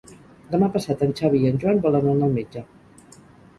Demà passat en Xavi i en Joan volen anar al metge.